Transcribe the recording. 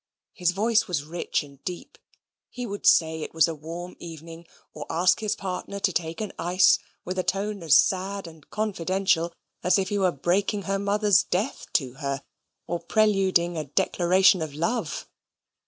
His voice was rich and deep. He would say it was a warm evening, or ask his partner to take an ice, with a tone as sad and confidential as if he were breaking her mother's death to her, or preluding a declaration of love.